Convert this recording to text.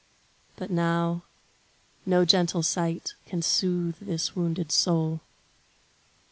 But now, No gentle sight can soothe this wounded soul.